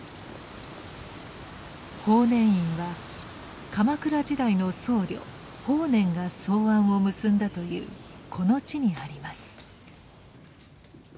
法然院は鎌倉時代の僧侶・法然が草庵を結んだというこの地にあります。